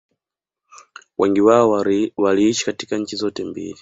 wengi wao waliishi katika nchi zote mbili